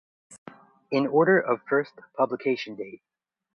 In order of first publication date.